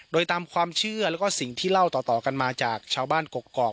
โดยตามความเชื่อแล้วก็สิ่งที่เล่าต่อกันมาจากชาวบ้านกกอก